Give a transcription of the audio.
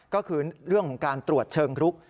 ก็คือเรื่องของการตรวจเชิงรุก